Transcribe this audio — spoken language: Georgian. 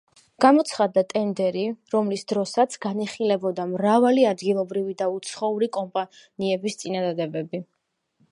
გამოცხადდა ტენდერი, რომლის დროსაც განიხილებოდა მრავალი ადგილობრივი და უცხოური კომპანიების წინადადებები.